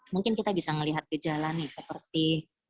mungkin kita bisa melihat gejala nih seperti